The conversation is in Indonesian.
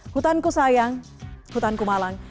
hutanku sayang hutanku malang